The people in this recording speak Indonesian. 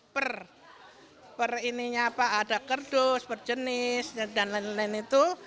per ininya apa ada kerdus berjenis dan lain lain itu